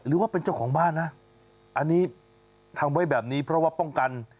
หรือว่าเป็นเจ้าของบ้านนะอันนี้ทำไว้แบบนี้เพราะว่าป้องกัน